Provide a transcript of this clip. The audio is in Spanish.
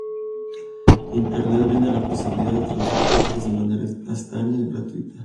Internet brinda la posibilidad de traducir textos de manera instantánea y gratuita.